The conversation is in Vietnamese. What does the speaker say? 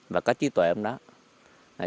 và có trí tuệ trong đó